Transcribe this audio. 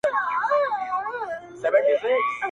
• پر مزلونو د کرې ورځي پښېمان سو -